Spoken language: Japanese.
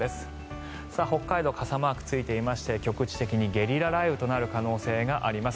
北海道、傘マークついていまして局地的にゲリラ雷雨となる可能性があります。